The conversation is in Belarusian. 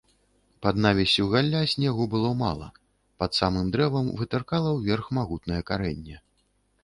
Пад навіссю галля снегу было мала, пад самым дрэвам вытыркала ўверх магутнае карэнне.